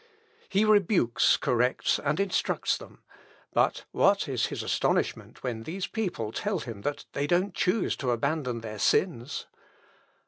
He rebukes, corrects, and instructs them; but what is his astonishment when these people tell him that they don't choose to abandon their sins?...